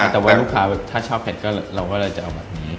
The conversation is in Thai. แต่ว่าลูกค้าถ้าชอบเผ็ดเราก็เลยจะเอาแบบนี้